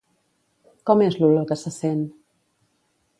Com és l'olor que se sent?